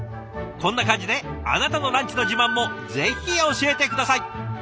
こんな感じであなたのランチの自慢もぜひ教えて下さい。